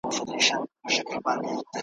څو مکتبونه لا مدرسې وي ,